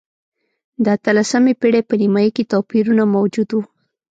د اتلسمې پېړۍ په نییمایي کې توپیرونه موجود و.